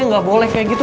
gak boleh kayak gitu